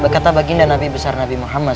kata baginda nabi besar nabi muhammad